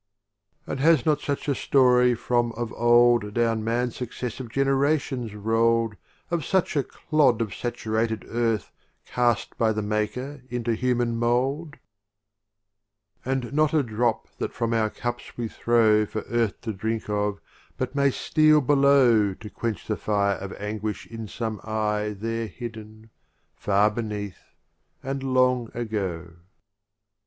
XXXVIII. And has not such a Story from of Old Down Man's successive generations roll'd Of such a clod of saturated Earth Cast by the Maker into Human mould ? *5 XXXIX. Ruba'iyht And not a drop that from our Cups °f 0m ? r we throw n For Earth to drink of, but may steal below To quench the fire of Anguish in some Eye There hidden — far beneath, and long ago.